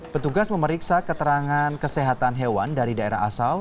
petugas memeriksa keterangan kesehatan hewan dari daerah asal